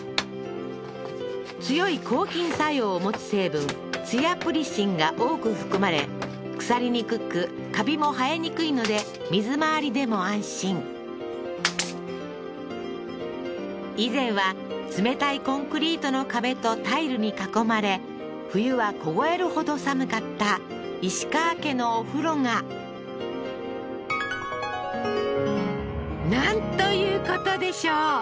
強い抗菌作用を持つ成分ツヤプリシンが多く含まれ腐りにくくカビも生えにくいので水回りでも安心以前は冷たいコンクリートの壁とタイルに囲まれ冬は凍えるほど寒かった石川家のお風呂がなんということでしょう